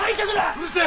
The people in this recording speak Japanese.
うるせえ！